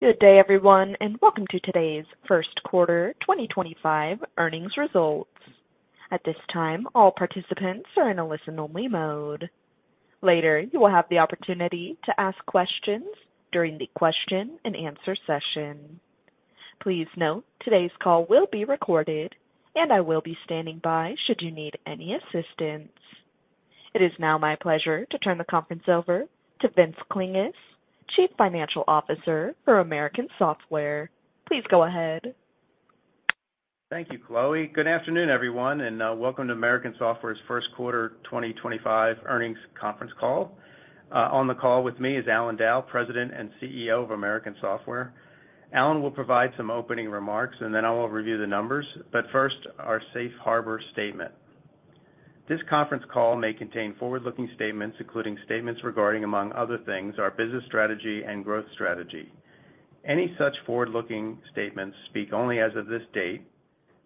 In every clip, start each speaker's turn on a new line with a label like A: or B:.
A: Good day, everyone, and welcome to today's First Quarter 2025 Earnings Results. At this time, all participants are in a listen-only mode. Later, you will have the opportunity to ask questions during the question-and-answer session. Please note, today's call will be recorded, and I will be standing by should you need any assistance. It is now my pleasure to turn the conference over to Vince Klinges, Chief Financial Officer for American Software. Please go ahead.
B: Thank you, Chloe. Good afternoon, everyone, and welcome to American Software's First Quarter 2025 Earnings Conference Call. On the call with me is Allan Dow, President and CEO of American Software. Allan will provide some opening remarks, and then I will review the numbers, but first, our safe harbor statement. This conference call may contain forward-looking statements, including statements regarding, among other things, our business strategy and growth strategy. Any such forward-looking statements speak only as of this date.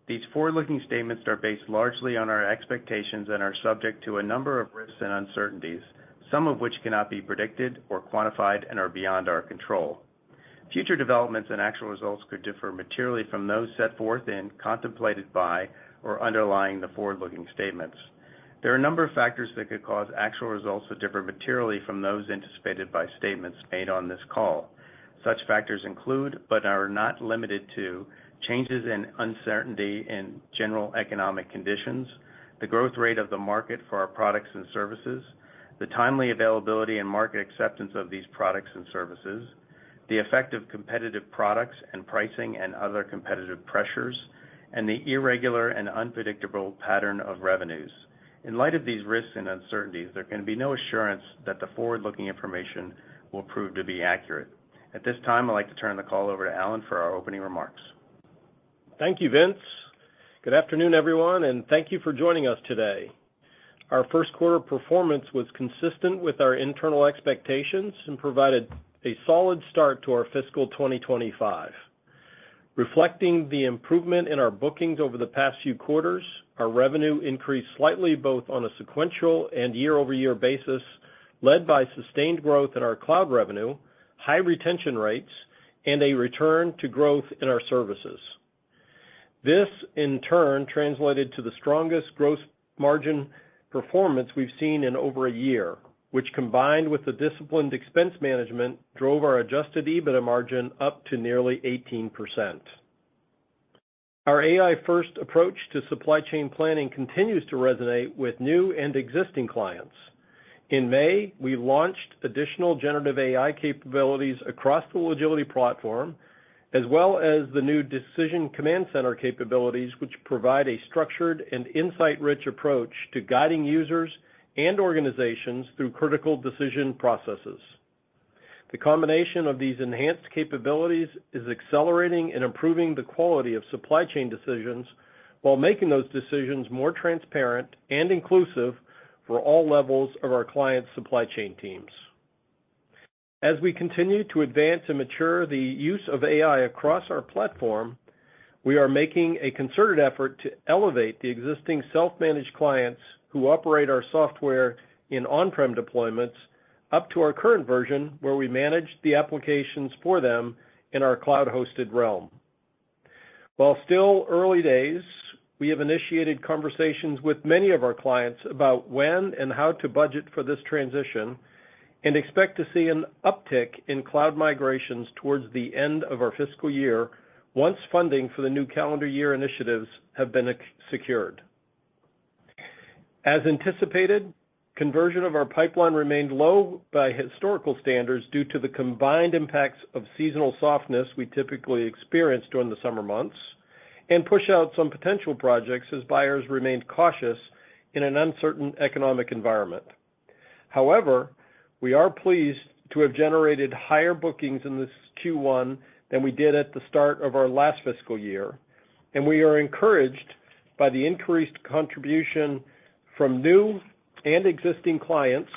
B: These forward-looking statements are based largely on our expectations and are subject to a number of risks and uncertainties, some of which cannot be predicted or quantified and are beyond our control. Future developments and actual results could differ materially from those set forth in, contemplated by, or underlying the forward-looking statements. There are a number of factors that could cause actual results to differ materially from those anticipated by statements made on this call. Such factors include, but are not limited to, changes in uncertainty in general economic conditions, the growth rate of the market for our products and services, the timely availability and market acceptance of these products and services, the effect of competitive products and pricing and other competitive pressures, and the irregular and unpredictable pattern of revenues. In light of these risks and uncertainties, there can be no assurance that the forward-looking information will prove to be accurate. At this time, I'd like to turn the call over to Allan for our opening remarks.
C: Thank you, Vince. Good afternoon, everyone, and thank you for joining us today. Our first quarter performance was consistent with our internal expectations and provided a solid start to our fiscal 2025. Reflecting the improvement in our bookings over the past few quarters, our revenue increased slightly both on a sequential and year-over-year basis, led by sustained growth in our cloud revenue, high retention rates, and a return to growth in our services. This, in turn, translated to the strongest gross margin performance we've seen in over a year, which, combined with the disciplined expense management, drove our Adjusted EBITDA margin up to nearly 18%. Our AI-first approach to supply chain planning continues to resonate with new and existing clients. In May, we launched additional generative AI capabilities across the Logility platform, as well as the new Decision Command Center capabilities, which provide a structured and insight-rich approach to guiding users and organizations through critical decision processes. The combination of these enhanced capabilities is accelerating and improving the quality of supply chain decisions while making those decisions more transparent and inclusive for all levels of our clients' supply chain teams. As we continue to advance and mature the use of AI across our platform, we are making a concerted effort to elevate the existing self-managed clients who operate our software in on-prem deployments up to our current version, where we manage the applications for them in our cloud-hosted realm. While still early days, we have initiated conversations with many of our clients about when and how to budget for this transition and expect to see an uptick in cloud migrations towards the end of our fiscal year, once funding for the new calendar year initiatives have been secured. As anticipated, conversion of our pipeline remained low by historical standards due to the combined impacts of seasonal softness we typically experience during the summer months, and push out some potential projects as buyers remained cautious in an uncertain economic environment. However, we are pleased to have generated higher bookings in this Q1 than we did at the start of our last fiscal year, and we are encouraged by the increased contribution from new and existing clients.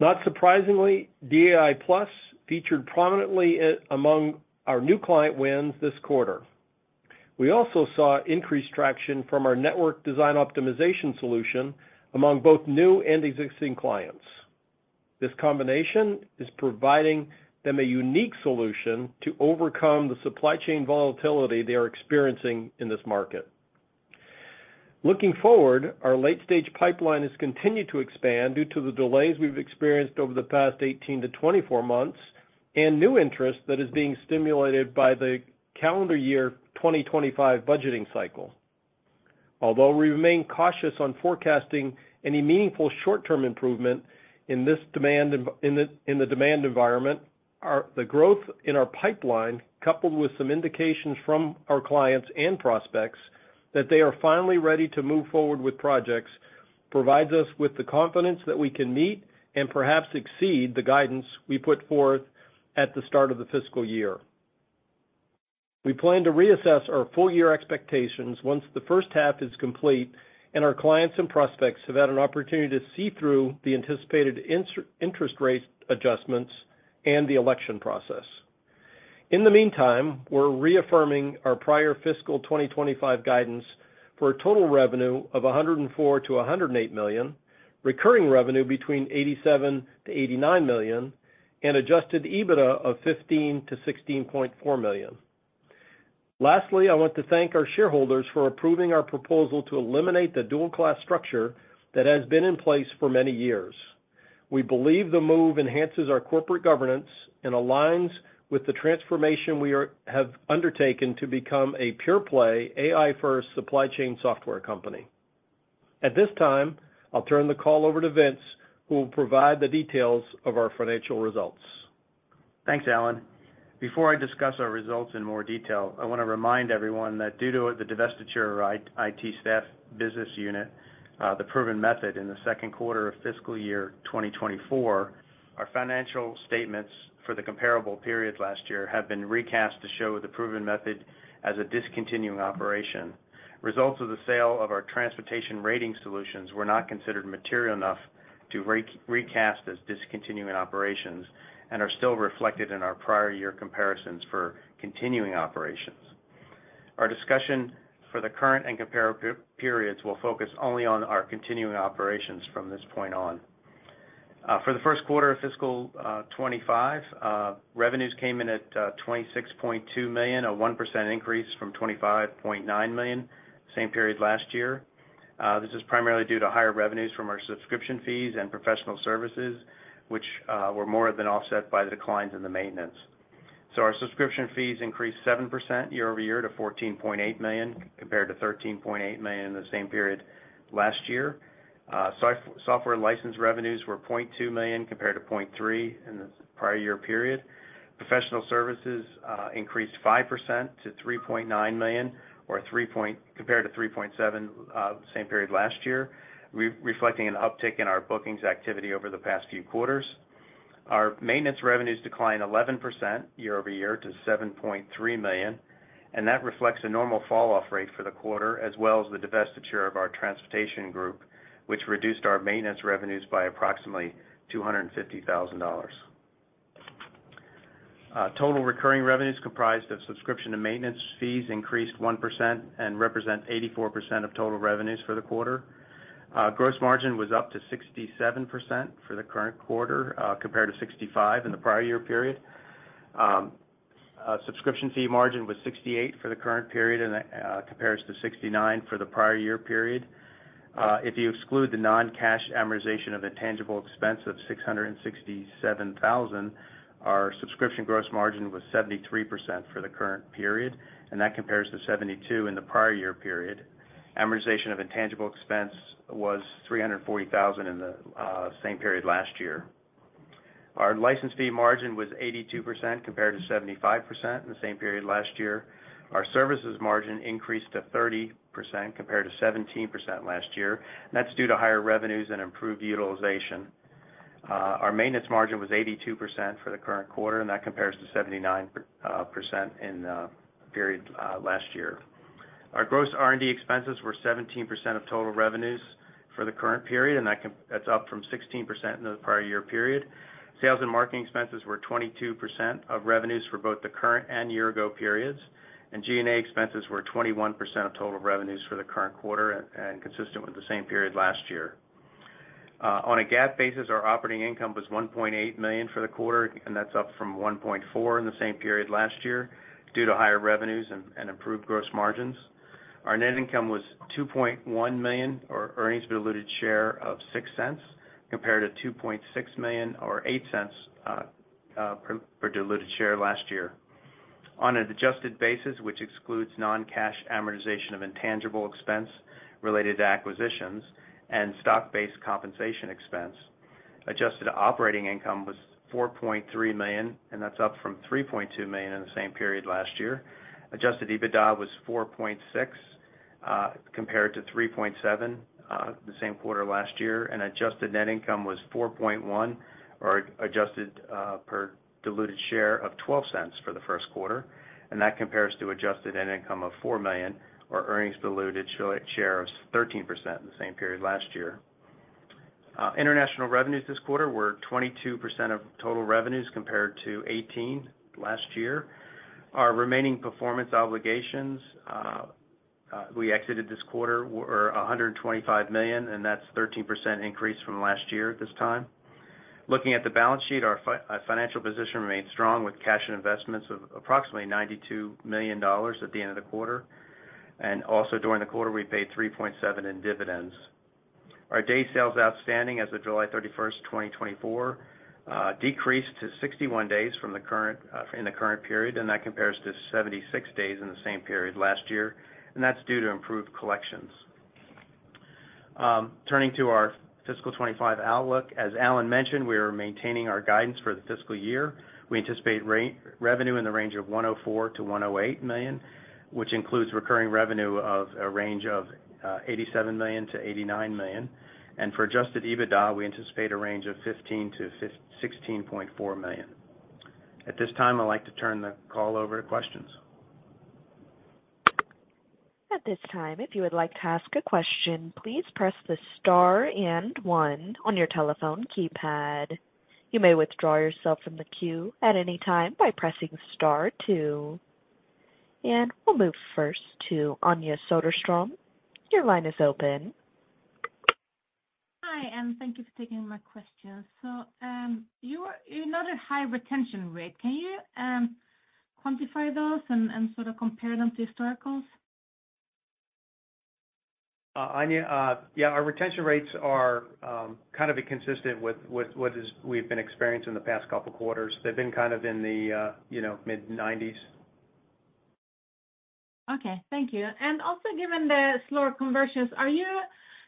C: Not surprisingly, DAI+ featured prominently among our new client wins this quarter. We also saw increased traction from our network design optimization solution among both new and existing clients. This combination is providing them a unique solution to overcome the supply chain volatility they are experiencing in this market. Looking forward, our late-stage pipeline has continued to expand due to the delays we've experienced over the past 18-24 months and new interest that is being stimulated by the calendar year 2025 budgeting cycle. Although we remain cautious on forecasting any meaningful short-term improvement in this demand environment, the growth in our pipeline, coupled with some indications from our clients and prospects that they are finally ready to move forward with projects, provides us with the confidence that we can meet and perhaps exceed the guidance we put forth at the start of the fiscal year. We plan to reassess our full-year expectations once the first half is complete and our clients and prospects have had an opportunity to see through the anticipated interest rate adjustments and the election process. In the meantime, we're reaffirming our prior fiscal 2025 guidance for total revenue of $104-$108 million, recurring revenue between $87-$89 million, and adjusted EBITDA of $15-$16.4 million. Lastly, I want to thank our shareholders for approving our proposal to eliminate the dual-class structure that has been in place for many years. We believe the move enhances our corporate governance and aligns with the transformation we have undertaken to become a pure-play, AI-first supply chain software company. At this time, I'll turn the call over to Vince, who will provide the details of our financial results.
B: Thanks, Allan. Before I discuss our results in more detail, I want to remind everyone that due to the divestiture of IT staff business unit, The Proven Method in the second quarter of fiscal year 2024, our financial statements for the comparable period last year have been recast to show The Proven Method as a discontinuing operation. Results of the sale of our Transportation Rating Solutions were not considered material enough to recast as discontinuing operations and are still reflected in our prior year comparisons for continuing operations. Our discussion for the current and comparative periods will focus only on our continuing operations from this point on. For the first quarter of fiscal 2025, revenues came in at $26.2 million, a 1% increase from $25.9 million, same period last year. This is primarily due to higher revenues from our subscription fees and professional services, which were more than offset by the declines in the maintenance. Our subscription fees increased 7% year-over-year to $14.8 million, compared to $13.8 million in the same period last year. Software license revenues were $0.2 million, compared to $0.3 million in the prior year period. Professional services increased 5% to $3.9 million, compared to $3.7 million same period last year, reflecting an uptick in our bookings activity over the past few quarters. Our maintenance revenues declined 11% year-over-year to $7.3 million, and that reflects a normal falloff rate for the quarter, as well as the divestiture of our transportation group, which reduced our maintenance revenues by approximately $250,000. Total recurring revenues, comprised of subscription and maintenance fees, increased 1% and represent 84% of total revenues for the quarter. Gross margin was up to 67% for the current quarter, compared to 65% in the prior year period. Subscription fee margin was 68% for the current period, and that compares to 69% for the prior year period. If you exclude the non-cash amortization of intangible expense of $667,000, our subscription gross margin was 73% for the current period, and that compares to 72% in the prior year period. Amortization of intangible expense was $340,000 in the same period last year. Our license fee margin was 82%, compared to 75% in the same period last year. Our services margin increased to 30%, compared to 17% last year. That's due to higher revenues and improved utilization. Our maintenance margin was 82% for the current quarter, and that compares to 79% in period last year. Our gross R&D expenses were 17% of total revenues for the current period, and that's up from 16% in the prior year period. Sales and marketing expenses were 22% of revenues for both the current and year ago periods, and G&A expenses were 21% of total revenues for the current quarter and consistent with the same period last year. On a GAAP basis, our operating income was $1.8 million for the quarter, and that's up from $1.4 million in the same period last year, due to higher revenues and improved gross margins. Our net income was $2.1 million, or earnings per diluted share of $0.06, compared to $2.6 million, or $0.08 per diluted share last year. On an adjusted basis, which excludes non-cash amortization of intangible expense related to acquisitions and stock-based compensation expense, adjusted operating income was $4.3 million, and that's up from $3.2 million in the same period last year. Adjusted EBITDA was $4.6 million, compared to $3.7 million the same quarter last year, and adjusted net income was $4.1 million, or adjusted per diluted share of $0.12 for the first quarter. And that compares to adjusted net income of $4 million or earnings diluted share of 13% in the same period last year. International revenues this quarter were 22% of total revenues, compared to 18% last year. Our remaining performance obligations we exited this quarter were $125 million, and that's 13% increase from last year at this time. Looking at the balance sheet, our financial position remains strong, with cash and investments of approximately $92 million at the end of the quarter. And also, during the quarter, we paid $3.7 million in dividends. Our Days Sales Outstanding as of July 31, 2024, decreased to 61 days from the current, in the current period, and that compares to 76 days in the same period last year, and that's due to improved collections. Turning to our fiscal 2025 outlook, as Allan mentioned, we are maintaining our guidance for the fiscal year. We anticipate revenue in the range of $104 million-$108 million, which includes recurring revenue of a range of $87 million-$89 million. For adjusted EBITDA, we anticipate a range of $15 million-$16.4 million. At this time, I'd like to turn the call over to questions.
A: ...At this time, if you would like to ask a question, please press the star and one on your telephone keypad. You may withdraw yourself from the queue at any time by pressing star two. And we'll move first to Anja Soderstrom. Your line is open.
D: Hi, and thank you for taking my question. So, you're noting a high retention rate. Can you quantify those and sort of compare them to historicals?
C: Anja, yeah, our retention rates are kind of inconsistent with what we've been experiencing in the past couple of quarters. They've been kind of in the, you know, mid-90s.
D: Okay, thank you. And also, given the slower conversions, are you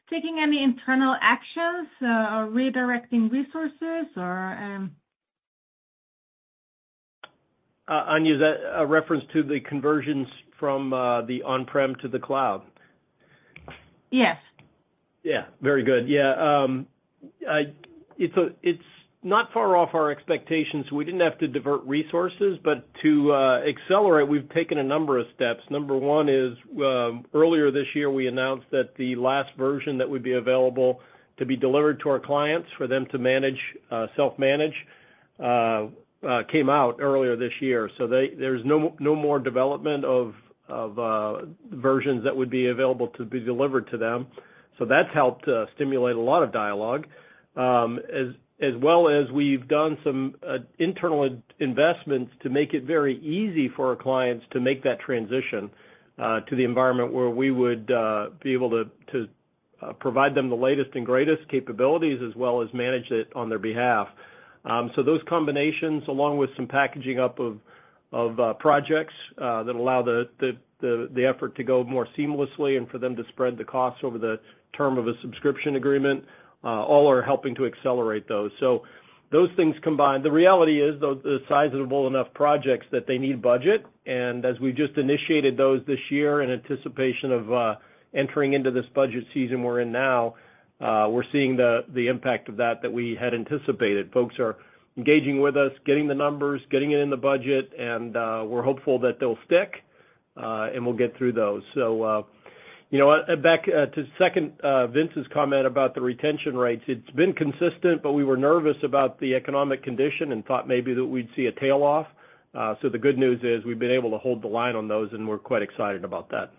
D: taking any internal actions, or redirecting resources, or?
C: Anja, is that a reference to the conversions from the on-prem to the cloud?
D: Yes.
C: Yeah, very good. Yeah, it's a, it's not far off our expectations, so we didn't have to divert resources. But to accelerate, we've taken a number of steps. Number one is, earlier this year, we announced that the last version that would be available to be delivered to our clients, for them to manage, self-manage, came out earlier this year. So they... There's no more development of, versions that would be available to be delivered to them. So that's helped stimulate a lot of dialogue. As well as we've done some internal investments to make it very easy for our clients to make that transition, to the environment where we would be able to provide them the latest and greatest capabilities, as well as manage it on their behalf. So those combinations, along with some packaging up of projects, that allow the effort to go more seamlessly and for them to spread the costs over the term of a subscription agreement, all are helping to accelerate those. So those things combined. The reality is, though, they're sizable enough projects that they need budget, and as we've just initiated those this year in anticipation of entering into this budget season we're in now, we're seeing the impact of that we had anticipated. Folks are engaging with us, getting the numbers, getting it in the budget, and we're hopeful that they'll stick, and we'll get through those. So, you know, back to second Vince's comment about the retention rates. It's been consistent, but we were nervous about the economic condition and thought maybe that we'd see a tail off. So the good news is, we've been able to hold the line on those, and we're quite excited about that.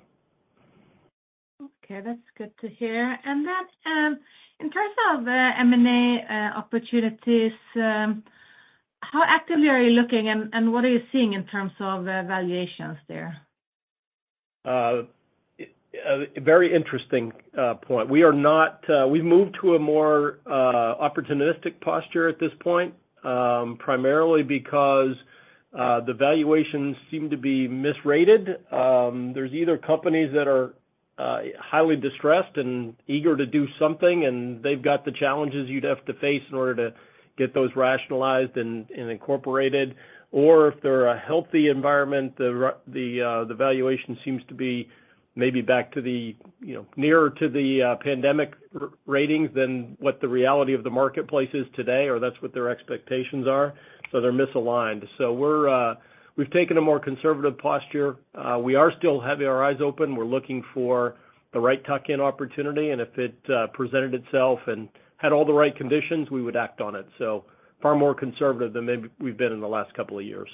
D: Okay, that's good to hear. And then, in terms of M&A opportunities, how actively are you looking, and what are you seeing in terms of valuations there?
C: Very interesting point. We are not... We've moved to a more opportunistic posture at this point, primarily because the valuations seem to be misrated. There's either companies that are highly distressed and eager to do something, and they've got the challenges you'd have to face in order to get those rationalized and incorporated. Or if they're a healthy environment, the valuation seems to be maybe back to the, you know, nearer to the pandemic ratings than what the reality of the marketplace is today, or that's what their expectations are, so they're misaligned. So we're, we've taken a more conservative posture. We are still having our eyes open. We're looking for the right tuck-in opportunity, and if it presented itself and had all the right conditions, we would act on it. So far more conservative than maybe we've been in the last couple of years.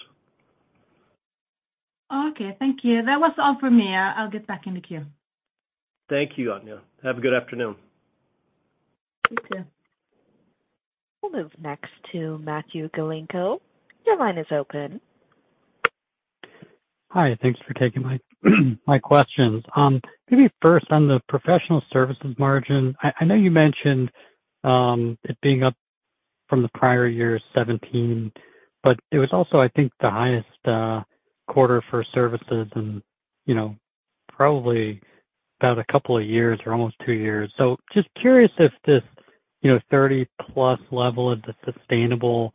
D: Okay, thank you. That was all for me. I'll get back in the queue.
C: Thank you, Anja. Have a good afternoon.
D: You too.
A: We'll move next to Matthew Galinko. Your line is open.
E: Hi, thanks for taking my questions. Maybe first on the professional services margin. I know you mentioned it being up from the prior year 17%, but it was also, I think, the highest quarter for services and, you know, probably about a couple of years or almost two years. So just curious if this, you know, 30+% level is a sustainable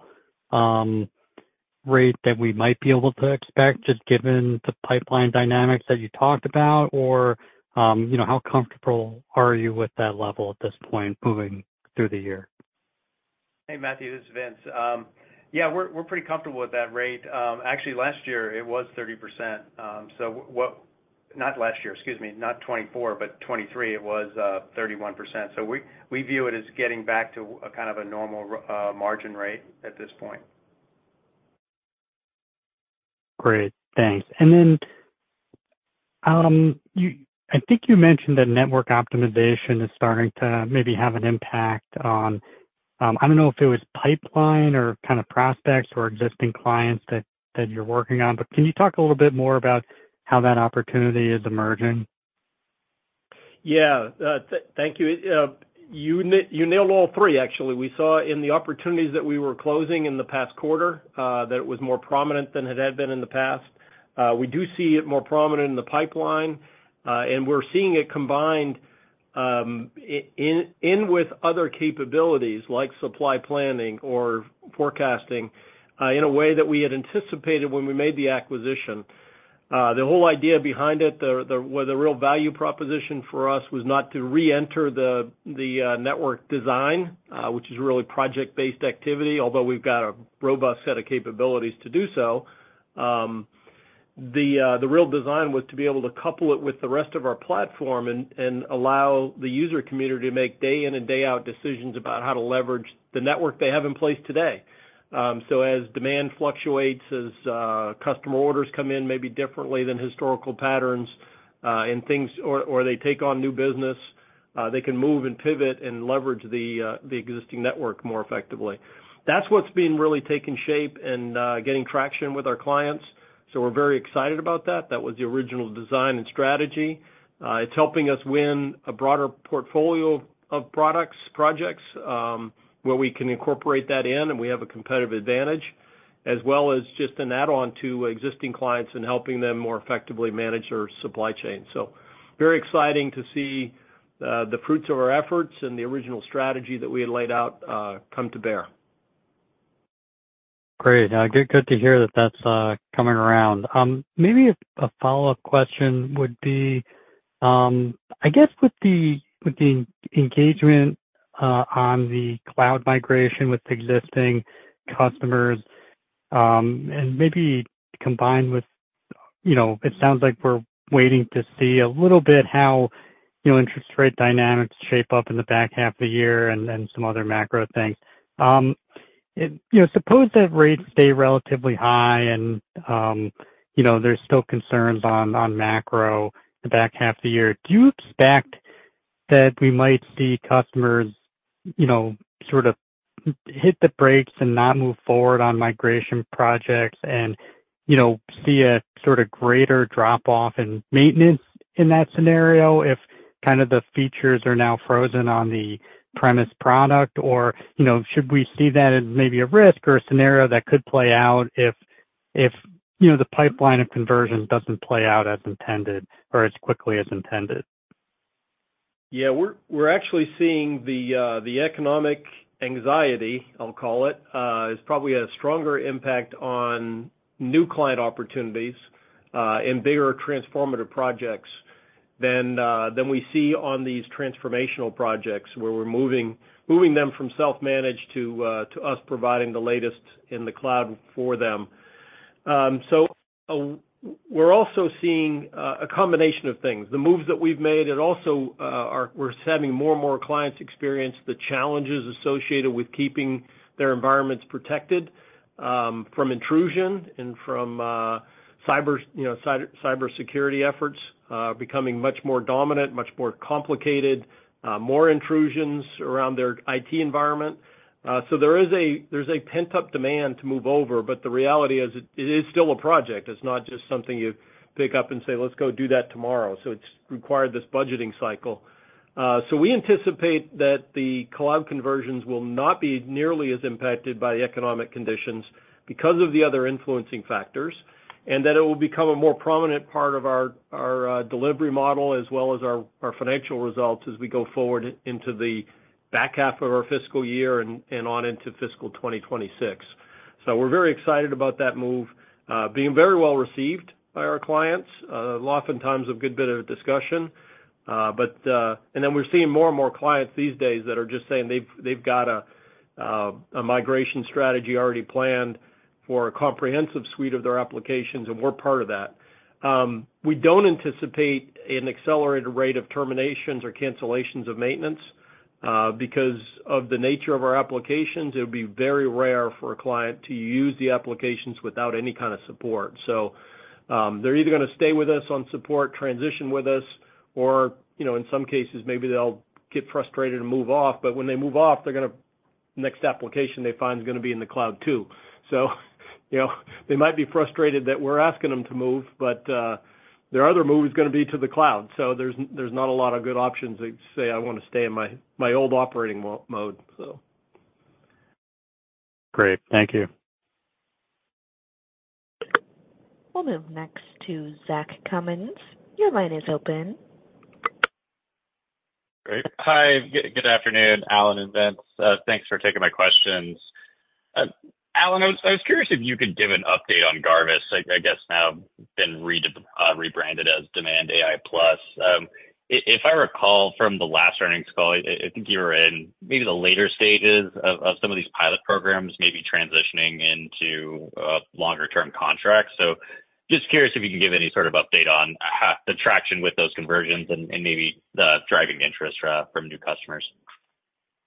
E: rate that we might be able to expect, just given the pipeline dynamics that you talked about, or, you know, how comfortable are you with that level at this point, moving through the year?
B: Hey, Matthew, this is Vince. Yeah, we're pretty comfortable with that rate. Actually, last year it was 30%, not last year, excuse me, not 2024, but 2023, it was 31%. So we view it as getting back to a kind of a normal margin rate at this point.
E: Great, thanks. And then, you, I think you mentioned that network optimization is starting to maybe have an impact on, I don't know if it was pipeline or kind of prospects or existing clients that you're working on, but can you talk a little bit more about how that opportunity is emerging?
C: Yeah, thank you. You nailed all three, actually. We saw in the opportunities that we were closing in the past quarter, that it was more prominent than it had been in the past. We do see it more prominent in the pipeline, and we're seeing it combined, in with other capabilities like supply planning or forecasting, in a way that we had anticipated when we made the acquisition. The whole idea behind it, the real value proposition for us was not to reenter the network design, which is really project-based activity, although we've got a robust set of capabilities to do so. The real design was to be able to couple it with the rest of our platform and allow the user community to make day in and day out decisions about how to leverage the network they have in place today. So as demand fluctuates, as customer orders come in maybe differently than historical patterns, and things, or they take on new business, they can move and pivot and leverage the existing network more effectively. That's what's been really taking shape and getting traction with our clients, so we're very excited about that. That was the original design and strategy. It's helping us win a broader portfolio of products, projects where we can incorporate that in, and we have a competitive advantage, as well as just an add-on to existing clients and helping them more effectively manage their supply chain, so very exciting to see the fruits of our efforts and the original strategy that we had laid out come to bear.
E: Great. Good, good to hear that that's coming around. Maybe a follow-up question would be, I guess with the engagement on the cloud migration with existing customers, and maybe combined with, you know, it sounds like we're waiting to see a little bit how, you know, interest rate dynamics shape up in the back half of the year and some other macro things. It... You know, suppose that rates stay relatively high and, you know, there's still concerns on macro the back half of the year. Do you expect that we might see customers, you know, sort of hit the brakes and not move forward on migration projects and, you know, see a sort of greater drop-off in maintenance in that scenario, if kind of the features are now frozen on-premise product? Or, you know, should we see that as maybe a risk or a scenario that could play out if, you know, the pipeline of conversion doesn't play out as intended or as quickly as intended?
C: Yeah, we're actually seeing the economic anxiety, I'll call it, has probably had a stronger impact on new client opportunities, and bigger transformative projects than we see on these transformational projects, where we're moving them from self-managed to us providing the latest in the cloud for them. So we're also seeing a combination of things. The moves that we've made, and also, we're seeing more and more clients experience the challenges associated with keeping their environments protected, from intrusion and from cyber, you know, cyber, cybersecurity efforts, becoming much more dominant, much more complicated, more intrusions around their IT environment. So there's a pent-up demand to move over, but the reality is, it is still a project. It's not just something you pick up and say, "Let's go do that tomorrow." So it's required this budgeting cycle. So we anticipate that the cloud conversions will not be nearly as impacted by the economic conditions because of the other influencing factors, and that it will become a more prominent part of our delivery model, as well as our financial results as we go forward into the back half of our fiscal year and on into fiscal 2026. So we're very excited about that move, being very well received by our clients. Oftentimes a good bit of discussion, but... And then we're seeing more and more clients these days that are just saying they've got a migration strategy already planned for a comprehensive suite of their applications, and we're part of that. We don't anticipate an accelerated rate of terminations or cancellations of maintenance. Because of the nature of our applications, it would be very rare for a client to use the applications without any kind of support. So, they're either gonna stay with us on support, transition with us, or, you know, in some cases, maybe they'll get frustrated and move off, but when they move off, they're gonna, next application they find is gonna be in the cloud, too. So you know, they might be frustrated that we're asking them to move, but, their other move is gonna be to the cloud, so there's not a lot of good options. They say, "I wanna stay in my old operating mode," so.
E: Great. Thank you.
A: We'll move next to Zach Cummins. Your line is open.
F: Great. Hi, good afternoon, Allan and Vince. Thanks for taking my questions. Allan, I was curious if you could give an update on Garvis. I guess now been rebranded as DemandAI+. If I recall from the last earnings call, I think you were in maybe the later stages of some of these pilot programs, maybe transitioning into longer-term contracts. So just curious if you can give any sort of update on the traction with those conversions and maybe the driving interest from new customers.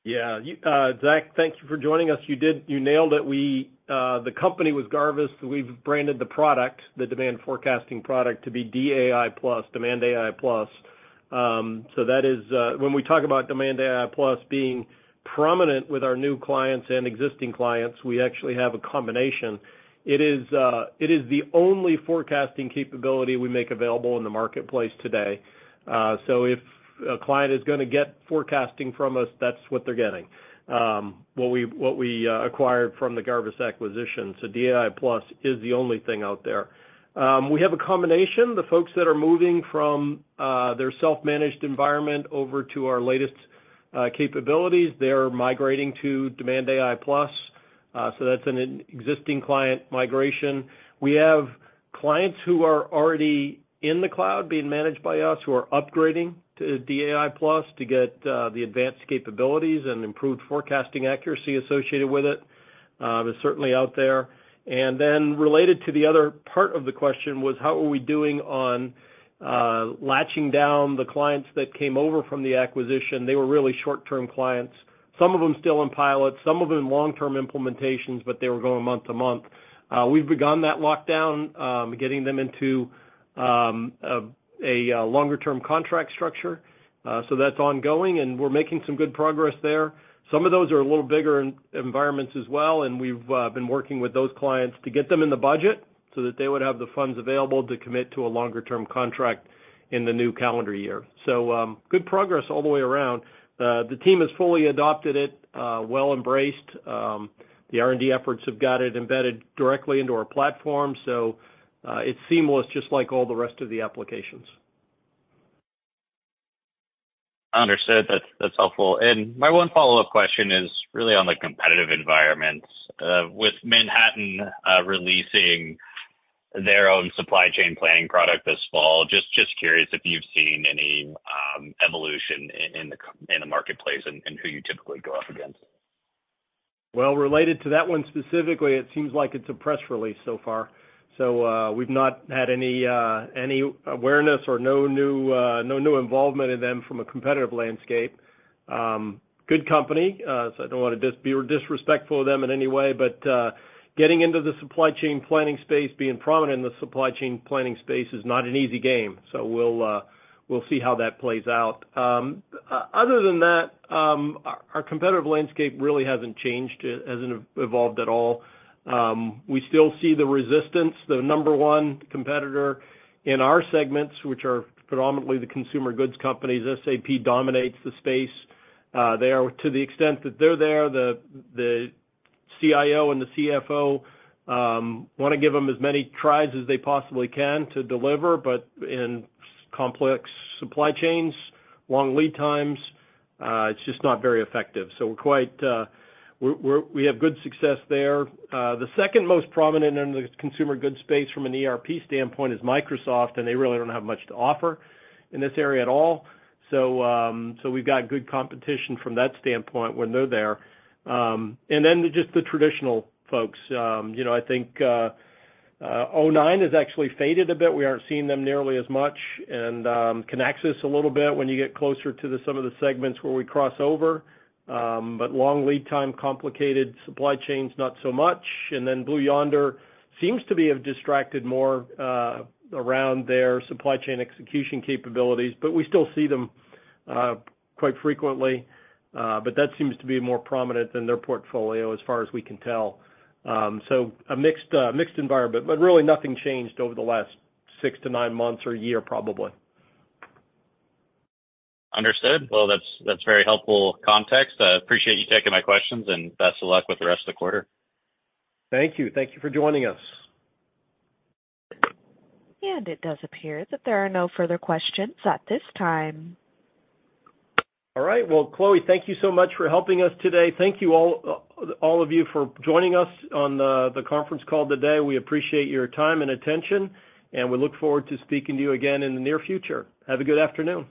C: Yeah. You, Zach, thank you for joining us. You did. You nailed it. We, the company was Garvis. We've branded the product, the demand forecasting product, to be DAI+, DemandAI+. So that is, when we talk about DemandAI+ being prominent with our new clients and existing clients, we actually have a combination. It is, it is the only forecasting capability we make available in the marketplace today. So if a client is gonna get forecasting from us, that's what they're getting, what we acquired from the Garvis acquisition. So DAI+ is the only thing out there. We have a combination. The folks that are moving from, their self-managed environment over to our latest, capabilities, they are migrating to DemandAI+. So that's an existing client migration. We have clients who are already in the cloud being managed by us, who are upgrading to DAI+ to get the advanced capabilities and improved forecasting accuracy associated with it. It's certainly out there. And then related to the other part of the question was, how are we doing on latching down the clients that came over from the acquisition? They were really short-term clients, some of them still in pilot, some of them long-term implementations, but they were going month to month. We've begun that lockdown, getting them into a longer term contract structure. So that's ongoing, and we're making some good progress there. Some of those are a little bigger environments as well, and we've been working with those clients to get them in the budget so that they would have the funds available to commit to a longer term contract in the new calendar year. So, good progress all the way around. The team has fully adopted it, well embraced. The R&D efforts have got it embedded directly into our platform, so, it's seamless, just like all the rest of the applications.
F: Understood. That's helpful. And my one follow-up question is really on the competitive environments. With Manhattan releasing their own supply chain planning product this fall, just curious if you've seen any evolution in the marketplace and who you typically go up against?
C: Related to that one, specifically, it seems like it's a press release so far. So, we've not had any awareness or no new involvement in them from a competitive landscape. Good company, so I don't want to be disrespectful to them in any way, but, getting into the supply chain planning space, being prominent in the supply chain planning space is not an easy game, so we'll see how that plays out. Other than that, our competitive landscape really hasn't changed. It hasn't evolved at all. We still see the resistance. The number one competitor in our segments, which are predominantly the consumer goods companies, SAP dominates the space. They are, to the extent that they're there, the, the CIO and the CFO want to give them as many tries as they possibly can to deliver, but in complex supply chains, long lead times, it's just not very effective. So we're quite, we have good success there. The second most prominent in the consumer goods space from an ERP standpoint is Microsoft, and they really don't have much to offer in this area at all. So, so we've got good competition from that standpoint when they're there. And then just the traditional folks. You know, I think, o9 has actually faded a bit. We aren't seeing them nearly as much. Kinaxis a little bit when you get closer to some of the segments where we cross over, but long lead time, complicated supply chains, not so much. And then Blue Yonder seems to be a bit distracted more around their supply chain execution capabilities, but we still see them quite frequently. But that seems to be more prominent than their portfolio as far as we can tell. So a mixed environment, but really nothing changed over the last six to nine months or a year, probably.
F: Understood. Well, that's very helpful context. I appreciate you taking my questions, and best of luck with the rest of the quarter.
C: Thank you. Thank you for joining us.
A: It does appear that there are no further questions at this time.
C: All right. Well, Chloe, thank you so much for helping us today. Thank you all, all of you for joining us on the conference call today. We appreciate your time and attention, and we look forward to speaking to you again in the near future. Have a good afternoon.